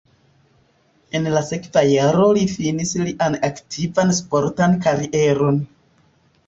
En la sekva jaro li finis lian aktivan sportan karieron.